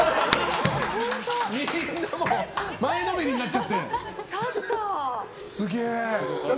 みんなも前のめりになっちゃって。